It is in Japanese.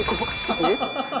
えっ？